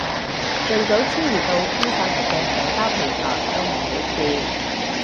盡早遷移到去分散式嘅社交平台都係好事